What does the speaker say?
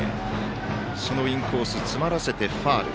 そのインコース詰まらせて、ファウル。